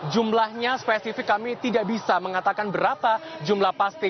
jumlahnya spesifik kami tidak bisa mengatakan berapa jumlah pasti